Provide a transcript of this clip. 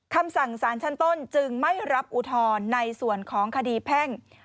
คำสั่งสารชั้นต้นจึงไม่รับอุทธรณ์ในส่วนของคดีแพ่ง